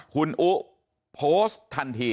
คุณอุ๊โพสต์ทันที